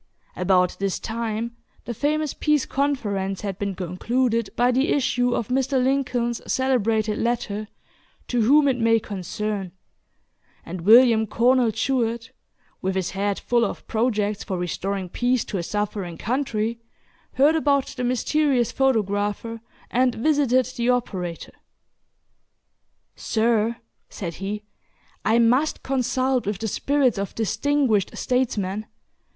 About this time the famous "Peace Conference" had been concluded by the issue of Mr. Lincoln's celebrated letter, "To whom it may concern," and William Cornell Jewett (with his head full of projects for restoring peace to a suffering country) heard about the mysterious photographer, and visited the operator. "Sir," said he, "I must consult with the spirits of distinguished statesmen.